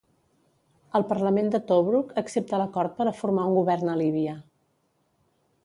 El parlament de Tobruk accepta l'acord per a formar un govern a Líbia.